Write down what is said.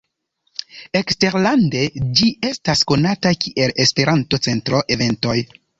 Eksterlande ĝi estas konata kiel "Esperanto-Centro Eventoj".